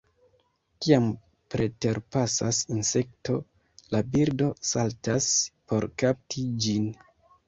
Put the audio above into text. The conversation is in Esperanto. Kiam preterpasas insekto, la birdo saltas por kapti ĝin.